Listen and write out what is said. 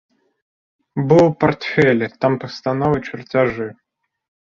Быў у партфелі, там пастановы, чарцяжы.